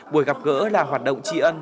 buổi gặp gỡ là hoạt động tri ân